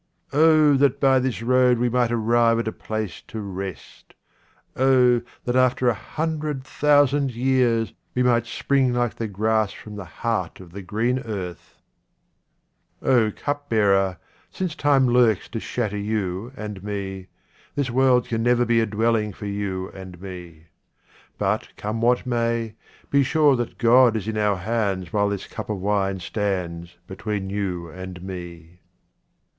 Oh that by this road we might arrive at a place to rest ! oh that after a hundred thousand years we might spring like the grass from the heart of the green earth ! O cupbearer, since time lurks to shatter you and me, this world can never be a dwelling for you and me. But come what may, be sure that God is in our hands while this cup of wine stands between you and me.